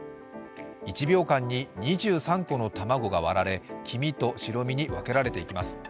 １秒間に２３個の卵が割られ黄身と白身に分けられていきます。